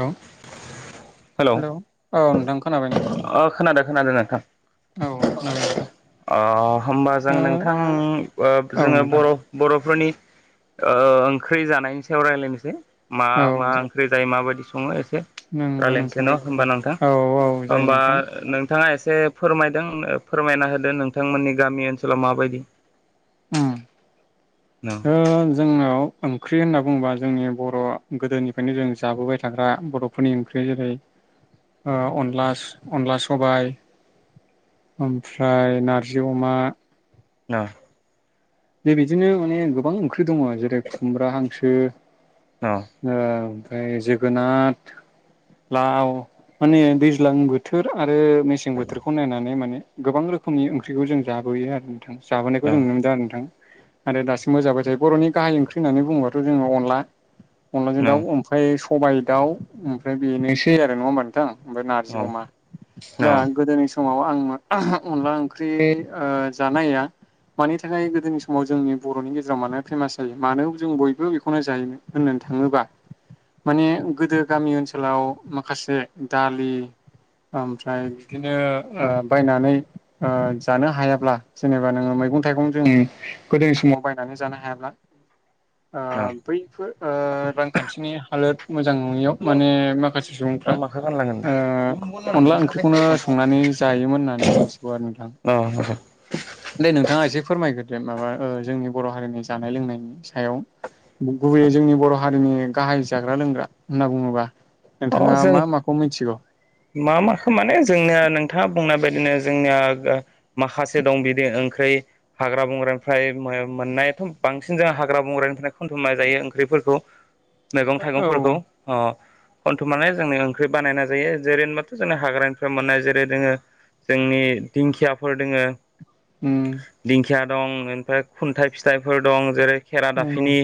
हेल hello हेल' औ नोंथां खोनाबायना? ओ खोनादों खोनादों नोंथां। औ होनाबाय नोंथां। होमबा जों ओ नोंथां औ जोङो नोंथां बर' बर'फोरनि ओंख्रि जानायनि सायाव रायजलायनोसै मा औ मा ओंख्रि जायो माबायदि सङो एसे। नंगौ रायज्लायनोसै नोंथां न' होमबा नोंथां औ औ जायो होमबा नोंथां नोंथाङा एसे फोरमायदों फोरमायना होदो नोंथांमोननि गामि ओनसोलाव माबायदि। न जोंनाव ओंख्रि होनना बुङोबा। जोंनि बर' गोदोनिफ्रायनो जों जाबोबाय थाग्रा बर'फोरनि ओंख्रि जेरै अनला अनला सबाइ ओमफ्राय नारजि अमा [inaudible] बे बिदिनो माने गोबां ओंख्रि दङ जेरै खुमब्रा हांसो। न ओ ओमफ्राय जोगोनार लाव माने दैज्लां बोथोर आरो मेसें बोथोरखौ नायनानै माने गोबां रोखोमनि ओंख्रिखौ जों जाबोयो आरो। जाबोनायखौ जों नुनो मोनदों आरो नोंथां आरो दासिमबो जाबाय थायो बर'नि गाहाय ओंख्रि होननानै बुङोबाथ' जोङो अनला। अनलाजों न दाउ ओमफ्राय सबायाइ दाउ ओमफ्राय बेनोसै आरो नङा होनोमबा नोंथां। ओमफ्राय नारजि न अमा। दा न गोदोनि समाव आं अनला ओंख्रि जानाया मानि थाखाय गोदोनि समाव समाव जोंनि बर'नि गेजेराव मानो फेमास जायो मानो जों बयबो बेखौनो जायो होननानै थाङोबा माने गोदो गामि ओनसोलाव माखासे दालि। ओमफ्राय बिदिनो बायनानै जानो हायाब्ला जेनेबा नोङो मैगं थाइगं जों गोदोनि समाव बायनानै जानो हायाब्ला न बैफोर रांखान्थिनि हालोद मोजां नङियाव माने माखासे आं सुबुंफ्रा माखौ गानलांगोन अनला ओंख्रिखौनो संनानै जायोमोन होननानै आं मिथिगौ आरो नोंथां। औ औ दे नोंथाङा एसे फोरमायग्रोदो माबा जोंनि बर' हारिनि जानाय लोंनायनि सायाव। गुबैयै जोंनि बर' हारिनि गाहाइ जाग्रा लोंग्रा होनना बुङोबा अ नोंथाङा जों मा माखौ मिथिगौ? मा माखो माने जोंनिया नोंथाङा बुंनाय बायदिनो जोंनिया माखासे दं बिदि ओंख्रि हाग्रा बंग्रानिफ्राय मोननायाथ' बांसिन जों हाग्रा बंग्रानि थाखाय खनथुमनाय जायो ओंख्रिफोरखौ [inaudible] मैगं औ थाइगंफोरखौ खनथुमनानै जोंनि ओंख्रि बानायना जायो जेरै होनबाथ' जोंनि हाग्रानिफ्राय मोननाय जेरै जोङो जोंनि दिंखियाफोर दोङो उम दिंखिया दं ओमफ्राय खुन्थाइ फिथाइफोर दं। जेरै नंगौ खेरादाफिनि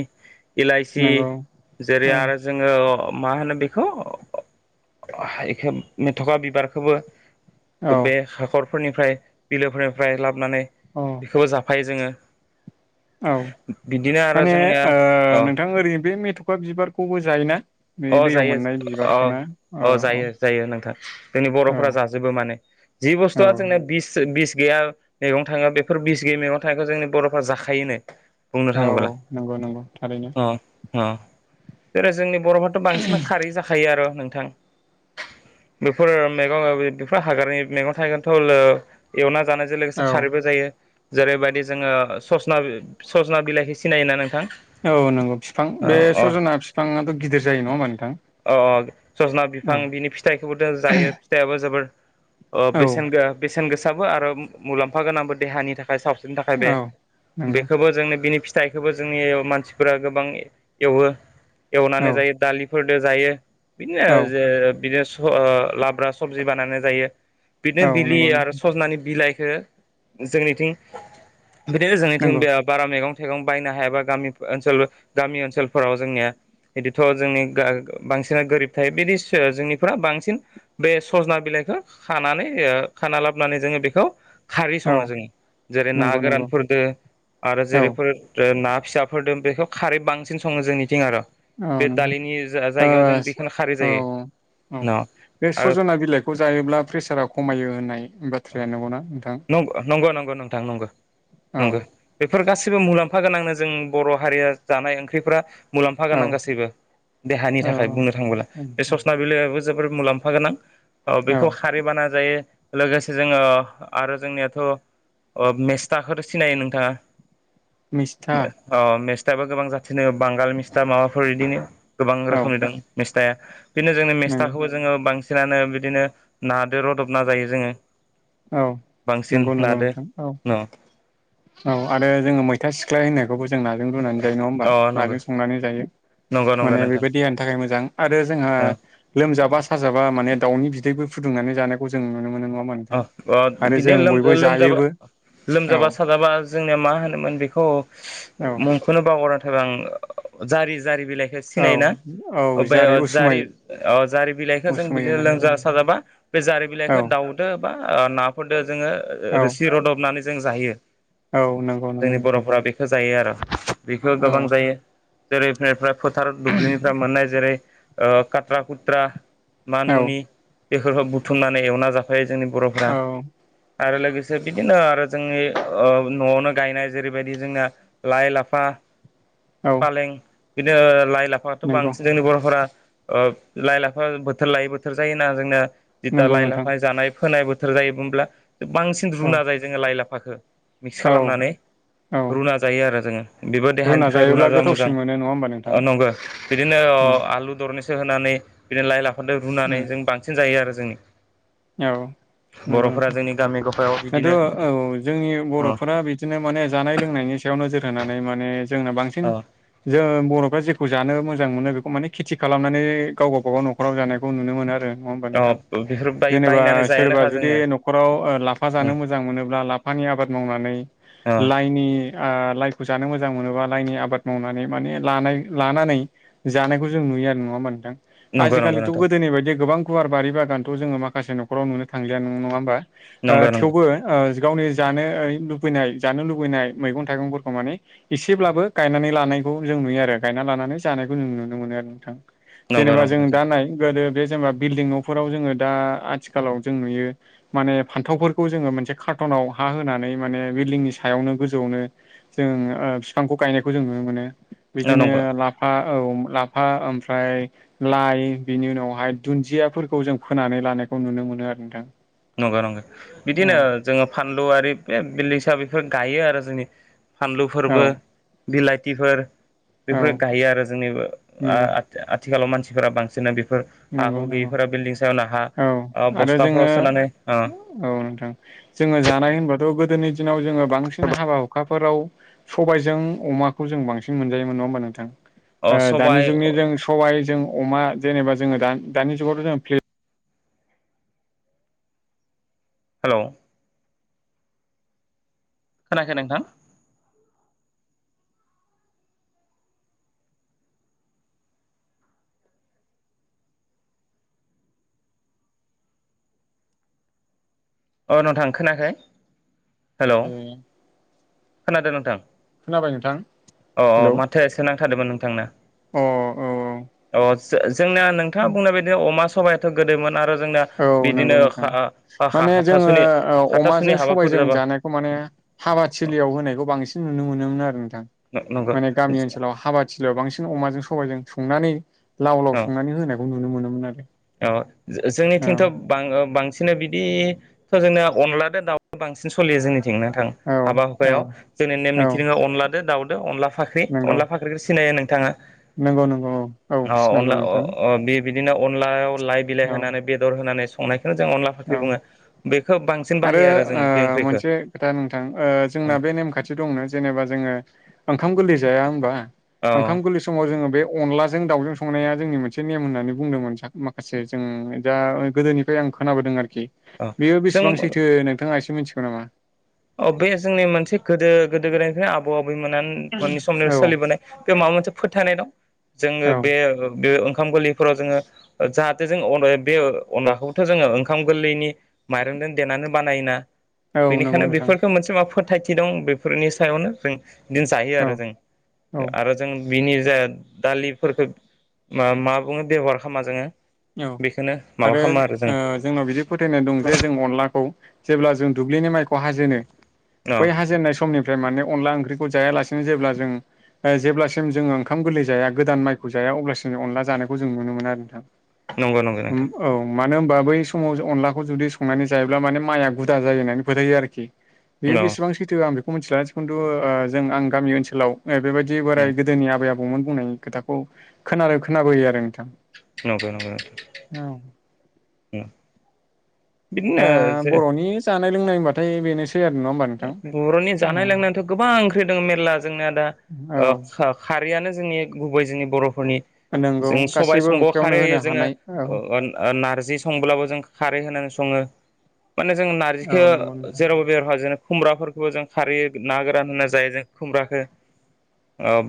इलाइसि नंगौ जेरै औ। आरो जोङो मा होनो बे खौ बेखौ मेथ'खा बिबारखौबो औ बे हाखर फोरनिफ्राय बिलोफोरनिफ्राय लाबोनानै औ बेखौबो जाफायो जोङो। औ। बिदिनो आरो माने जोंनिया अ नोंथां ओरैनो बे मेथ'खा बिबारखौबो जायोना? बे अ दैयाव जायो मोननाय अ बिबारखौ ना। औ अ औ जायो जायो नोंथां जोंनि औ बर'फोरा जाजोबो माने जि औ बुस्थुआ जोंना बिस बिस गैया मैगं थाङो बेफोर बिस गैयै मैगं थाङनायखौ जोंनि बर'फ्रा जाखायोनो बुंनो औ थाङोब्ला नंगौ नंगौ थारैनो अ अ जेरै जोंनि बर'फ्राथ' बांसिन खारै जाखायो आरो नोंथां। बेफोर मैगं बेफोर हागारनि मैगं थायगोनथ' एवना जानायजों लोगोसे औ खारैबो जायो। जेरैबायदि जोङो ससना सजना बिलाइख सिनायोना नोंथां? औ नंगौ बिफां अ बे अ सजना बिफाङाथ' गिदिर जायो नङा होमबा नोंथां। अ सजना औ बिफां बिनि फिथाइखौबो जायो फिथाइयाबो जोबोर औ से बेसेन गोसाबो आरो मुलाम्फा गोनांबो देहानि थाखाय साब नि थाखाय बे औ नंगौ बेखौबो जोंनि बिनिफि फिथाइखौबो जोंनि मानसिफोरा गोबां एवो एवनानै औ जायो दालिफोरजों जायो औ बिदिनो बिनो लाब्रा सबजि बानायनाय जायो बिदिनो औ बिलि नंगौ आरो नोंथां सजनानि बिलाइ बि जोंनिथिं बिदिनो जोंनिथिं नंगौ बारा मैगं थाइगं बायनो हायाबा गामि ओनसोल गामि ओनसोलफोराव जोंनिया बिदिथ' जोंनि बांसिनना गोरिब थायो बिदि जोंनिफोरा बांसिन बे सजना बिलाइखौ खानानै खाना लाबोनानै जोङो बेखौ खारि औ सङो जोङो जेरै ना नंगौ नंगौ गोरानफोरद़ आरो औ जेरैफोर ना फिसाफोरदों बेखौ खारै बांसिन सङो जोंनिथिं आरो औ बे नंगौ दालिनि ओ जायगायाव जों बेखौनो खारै औ जायो औ न बे आरो सजना बिलाइखौ जायोब्ला प्रेसारा खमायो होननाय बाथ्राया नंगौना नोंथां नंगौ नंगौ नंगौ नोंथां नंगौ औ नंगौ बे बेफोर गासिबो मुलाम्फा गोनांनो जों बर' हारिया जानाय ओंख्रिफोरा मुलाम्फा गोनां औ गासैबो देहानि औ थाखाय बुंनो थाङबोला बे ससना बिलाइआबो जोबोद मुलाम्फा गोनां औ बेखौ खारै बानायना जायो लोगोसे जोङो आरो जोंनियाथ' मेस्थाखौथ' सिनायो नोंथाङा मिस्था औ मेस्टाबो गोबां जाथिनो बांगाल मिस्टा माबाफोर बिदिनो गोबां औ रोखोमनि दं मेस्टा बिदिनो जोंनि नंगौ मेस्थाखौबो जोङो बांसिन बिसिनानो बिदिनो नादो रुदबना जायो जोङो औ बांसिन नंगौ नंगौ नादो नोंथां औ न औ आरो जोङो मैथा फिथा सिख्लाय होननायखौबो जों नाजों रुनानै जायो नङा होमबा अ नंगौ नाजों संनानै जायो नंगौ नंगौ माने नोंथां बेबायदि देहानि थाखाय मोजां आरो जोंहा ओ लोमजाबा साजाबा माने दाउनि बिदैबो फुदुंनानै जानायखौ जों नुनो मोनो नङामा अ नोंथां अ आरो बिनो जों बयबो लोमजाबा जायोबो औ लोमजाबा साजाबा जोंनिया मा होनोमोन बेखौ औ मुंख'नो बा बावगारनानै थाबा आं जारि जारि बिलाइखौ औ सिनायोना औ बे जारै उसुमै जारि जारि बिलाइखौ जों उसुमै बिदिनो होनानै लोंजा साजाबा बे जारि औ बिलाइखौ दाउ बा नाफोरजों जोङो औ रोसि रुदबनानै जों जायो औ नंगौ नंगौ जोंनि नोंथां बर'फोरा बेखौ जायो आरो बेखौ औ गोबां जायो जेरैफ्रा फोथार दुब्लिनिफ्राय मोननाय जेरै कट्रा खुथ्रा औ मानमुनि बेफोरखौ बुथुमनानै एवना जाफायो जोंनि बर'फोरा औ आरो लोगोसे बिदिनो आरो जोंनि न'आवनो गायनाय जेरैबायदि जोंना लाइ लाफा औ फालें बिदिनो लाइ लाफायाथ' नंगौ बांसिन जोंनि बर'फोरा लाइ लाफा बोथोर लायै बोथोर जायोना जोंना जिथा नंगौ लाइ नोंथां लाफा जानाय फोनाय बोथोर जायोमोबोला बांसिन औ रुना जायो जोङो लाइ लाफाखौ मिक्स औ खालामनानै औ रुना जायो आरो जोङो बेबो देहानि थाखाय जायोब्ला रुना जा मोजां गोथावसिन मोनो नङा होमबा नोंथां नंगौ बिदिनो उम आलु दरनिसो होनानै बिदिनो लाइ लाफजों रुनानै उम जों बांसिन जायो आरो जोंनि औ नंगौ बर'फोरा नोंथां जोंनि गामि गफा दाथ' औ जोंनि बर'फोरा बिदिनो माने जानाय लोंनायनि सायाव नोजोर होनानै माने जोंनो बांसिन अ जों बर'फ्रा खौ जानो मोजां मोनो बेखौ माने खेथि खालामनानै गाव गावबागाव न'खराव जानायखौ नुनो मोनो आरो नङा होमबा अ नोंथां बेफोर बाय जेनेबा बायनानै सोरबा जायानोखा जुदि जोंनिया न'खराव ओ लाफा उम जानो मोजां मोनोब्ला लाफानि आबाद मावनानै अ लाइनि आ आ लाइखौ जानो मोजां मोनोबा लाइनि आबाद मावनानै माने लानाय लानानै जानायखौ जों नुयो आ नङा होनबा नोंथां नंगौ नंगौ आजिखालिथ' नोंथां गोदोनि बायदि गोबां गुवार बारि बागानथ' जोङो माखासे नखराव नुनो थांलिया नङा होमबा ओ नंगौ नंगौ थेवबो ओज गावनिज जानो लुबैनाय जानो लुबैनाय मैगं थाइगंफोरखौ माने एसेब्लाबो गायनानै लानायखौ जों नुयो आरो गायना लानानै जानायखौ जों नुनो मोनो आरो नोंथां नंगौ जेनेबा नंगौ जों नोंथां दा नाय गोदो बे जेनेबा बिल्डिं न'फोराव जोङो दा आथिखालाव जों नुयो माने फान्थावफोरखौ जोङो मोनसे कार्टनाव हा होनानै माने बिल्डिंनि सा सायावनो गोजौआवनो जों बिफांखौ गायनायखौ जों नुनो मोनो बिदिनो नंगौ लाफा औ लाफा ओमफ्राय लाइ बिनि उनावहाय दुन्दियाफोरखौ जों फोनानै लानाय खौ नुनो मोनो आरो नोंथां नंगौ नंगौ औ बिदिनो जोङो फानलु आरि बे बिल हिसाबै फोर गायो आरो जोंनि औ फानलुफोरबो बिलाथिफोर औ बेफोरो गायो आरो जोंनि आ नंगौ आथिखालाव मानसिफोरा बांसिनानो बेफोर फोर हा नंगौ हु नंगौ गैयैफोरा बिल्डिं सायावनो हा औ ओ आरो बस्ताफोराव जोङो औ नोंथां जोङो जानाय होनबा थ' गोदोनि दिनाव जोङो बांसिन हाबा हुखाफोराव सबायजों अमाखौ जों बांसिन मोनजायोमोन नङा होमबा अ नोंथां दानि सबाय जुगनि जों सबायजों अमा जेनेबा जोङो दा दानि जुगावथ' जों प्ले हेलौ खोनायाखै नोंथां अ नोंथां खोनायाखै हेलौ खोनादों नोंथां खोनाबाय नोंथां अ हेलौ माथोआ एसे नांथादोंमोन नोंथांना अ औ औ जो जोंनिया नोंथाङा बुंनाय बायदिनो अमा सबायाथ' गोदोमोन आरो जोंना औ नंगौ बिदिनो नोंथां माने जोङो हाथासुनि हाथासुनि अमाजों हाबाफोर सबाइजों जाबा जानायखौ माने हाबा थिलियाव होनायखौ बांसिन नुनो मोनोमोन आरो थां नंगौ माने गामि ओनसोलाव हाबाथिलियाव बांसिन अमाजों सबायजों संनानै लाव औ लाव संनानै होनायखौ नुनो मोनोमोन आरो औ जो जोंनिथिंथ' बांसिन बिदि थ' जोंना अनला दाउ बांसिन सलियो जोंनि थिं नोंथां औ हाबा हुखायाव जोंनि नेम औ औ निथिङो अनला दो दाउदो अनला फाख्रि नंगौ अनला फाख्रिखौ सिनायो नोंथाङा नंगौ नंगौ औ औ अ सिनायगौ अनला नोंथां बे बिदिनो अनलायाव लाइ बिलाइ औ होनानै बेदर होनानै संनायखौ अनला औ फाख्रि बुङो बेखौ बांसिन आरो बाहायो जोङो बे ओ ओंख्रिखौ मोनसे खोथा नोंथां ओ जोंना बे नेम खाथि दंना जेनेबा जोङो ओंखाम गोरलै जाया होनबा औ ओंखाम गोरलै समाव जोङो बे अनलाजों दाउजों संनाया जोंनि मोनसे नेम होननानै बुंदोंमोन माखासे जों दा गोदोनिफ्राय आं खोनाबोदों आरोखि औ बेयो जों बेसेबां सैथो नोंथाङा एसे मिथिगौ नामा अ बे जोंनि मोनसे गोदो गोदो गोदायनिफ्राय आबौ आबैमोनानो मोननि समनिफ्राय औ सोलिबोनाय बे माबा मोनसे फोथायनाय दं जोङो औ बे बे ओंखाम गोरलैफोराव जोङो जाहाथे जों अ बे अनलाखौबोथ' जोङो ओंखाम गोरलैनि माइरं खोनो देनानै बानायोना औ नंगौ नोंथां बा फोथायथि दं बेफोरनि सायावनो जों बिदिनो जायो आरो औ जों औ आरो जों बिनि जाय दालिफोरखौ मा बुङो बेबहार खालामा जोङो औ बेखौनो माबा आरो खालामो जों ओ जोंनाव बिदि फोथायनाय दं जे जों अनलाखौ जेब्ला जों दुब्लिनि माइखौ हाजेनो औ बै हाजेननाय समनि ओमफ्राय माने अनला ओंख्रिखौ जायालासिनो जेब्ला जों जेब्लासिम जोङो ओंखाम गोरलै जाया गोदान माइखौ जाया अब्लासिम अनला जानायखौ जों नुनो मोन आरो नोंथां। नंगौ नंगौ उम नोंथां औ मानो होनबा बै समाव अनलाखौ जुदि संनानै जायोब्ला माने माइआ गुदा जायो होननानै फोथायो आरोखि बेयो औ बेसेबां सैथो आं बेखौ मिथिला खिन्थु जों आं गामि ओनसोलाव ए बेबायदि बोराय गोदोनि आबै आबौमोन बुंनायनि खोथाखौ खोनादों खोनाबोयो आरो नोंथां नंगौ औ ओम दा बर'नि जानाय लोंनाय होनबाथाय बेनोसै आरो नङा होमबा नोंथां बर'नि जानाय औ लोंनायथ' गोबां ओंख्रि दङ मेर्ला जोंनाया दा ओ औ खो खारैयानो जोंनि गुबै जोंनि बर'फोरनि नंगौ जों सबाय गासैबो समभाव ओंख्रियावनो खारै होनो होयो जोङो हानाय औ अ नारज जि संब्लाबो जों खारै होनानै सङो माने जों औ नारजिखौ नंगौ नोंथां जेरावबो बेर खुमब्राफोरखौबो जों खारहैयो ना गोरान होनना जायो जों खुमब्राखौ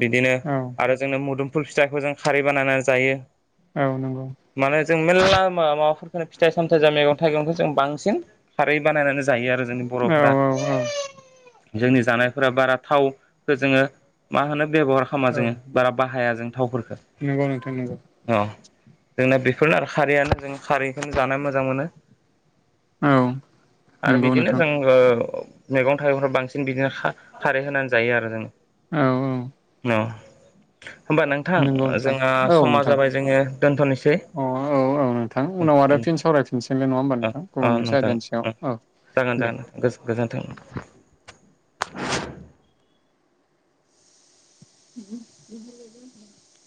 बिदिनो औ आरो जोंनो मुदुमफुल फिथाइखौ जों खारै बानायनानै जायो। औ नंगौ माने जों मेल्ला म माबाफोरखौनो फिथाइ सामथायाइ ज मैगं - थाइगंखौ जों बांसिन खारै बानायनानै जायो। आरो जोंनि औ बर'फोरा औ औ जोंनि जानायफोरा बारा थावखौ जोङो मा होनो बेब'हार खालामा औ जोङो बारा बाहाया जों थावफोरखौ नंगौ नोंथां नंगौ अ जोंना बेफोरनो आरो खारैयानो जों खारैखौनो जानो मोजां मोनो औ आरो नंगौ बिदिनो नोंथां जों ओ मैगं थाइगंफ्राव बांसिन बिदिनो खा खारै होनानै जायो आरो जों औ औ औ होनोमबा नोंथां नंगौ नोंथां जोंहा औ समा नोंथां जाबाय जोङो दोनथ'नोसै अ औ औ नोंथां ओ उनाव आरो फिन ओ सावरायफिनसिगोनलाय नङा होमबा नोंथां ओ गुबुन मोनसे नोंथां आयदानि सायाव औ जागोन दे जागोन गोज गोजोन्थों बेहगोन [unintelligible]